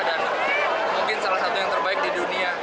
dan mungkin salah satu yang terbaik di dunia